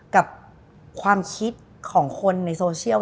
กับความคิดของคนในโซเชียล